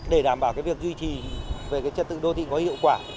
để đảm bảo việc duy trì về trật tự đô thị có hiệu quả